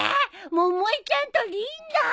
百恵ちゃんとリンダ！？